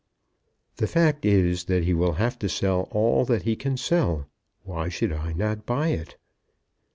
"The fact is, that he will have to sell all that he can sell. Why should I not buy it!"